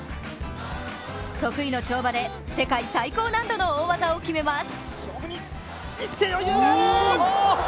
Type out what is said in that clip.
得意の跳馬で世界最高難度の大技を決めます。